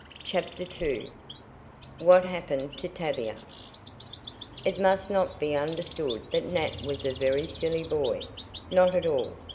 CHAPTER II WHAT HAPPENED TO TAVIA It must not be understood that Nat was a very silly boy. Not at all.